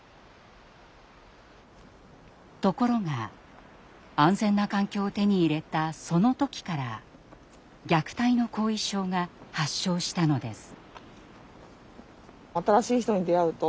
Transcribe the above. ところが安全な環境を手に入れたその時から虐待の“後遺症”が発症したのです。